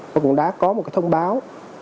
và cũng đã có một cái thông báo